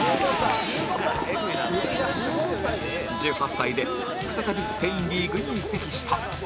１８歳で再びスペインリーグに移籍した